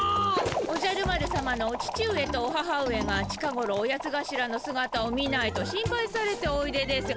おじゃる丸さまのお父上とお母上が近ごろオヤツがしらのすがたを見ないと心配されておいでですよ。